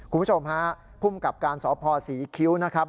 คุณผู้ชมฮะภูมิกับการสพศรีคิ้วนะครับ